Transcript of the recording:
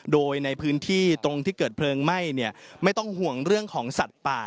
โดยในพื้นที่ตรงที่เกิดเพลิงไหม้ไม่ต้องห่วงเรื่องของสัตว์ป่า